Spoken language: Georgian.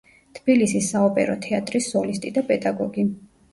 თბილისის საოპერო თეატრის სოლისტი და პედაგოგი.